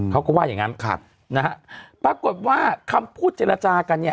เขาก็ว่าอย่างงั้นครับนะฮะปรากฏว่าคำพูดเจรจากันเนี่ย